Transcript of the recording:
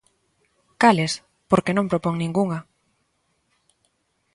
¿Cales?, porque non propón ningunha.